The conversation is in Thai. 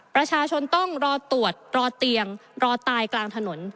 ประชาชนต้องรอตรวจรอเตียงรอตายกลางถนน